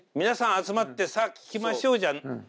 皆さん集まってさあ聴きましょうじゃ。